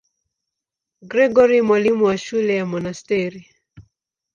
Gregori, mwalimu wa shule ya monasteri.